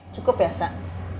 cukup ya sak